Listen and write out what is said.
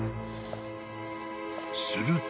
［すると］